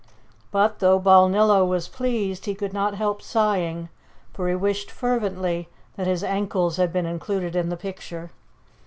But though Balnillo was pleased, he could not help sighing, for he wished fervently that his ankles had been included in the picture.